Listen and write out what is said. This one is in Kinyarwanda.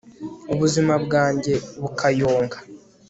ubuzima bwanjye bukayonga